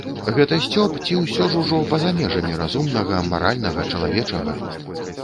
Гэта сцёб ці ўсё ж ужо па-за межамі разумнага, маральнага, чалавечага?